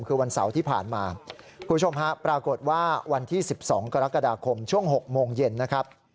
คือวันเสาร์ที่ผ่านมาคุณผู้ชมฮะปรากฏว่าวันที่๑๒กรกฎาคมช่วง๖โมงเย็นนะครับ